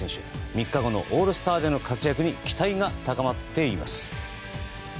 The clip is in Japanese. ３日後のオールスターでの活躍に期待が高まっています。